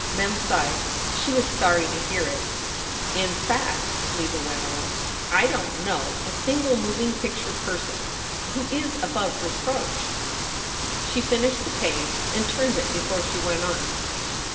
Mem sighed. She was sorry to hear it. "In fact," Leva went on, "I don t know a single moving picture person who is above reproach." She finished the page and turned it before she went on.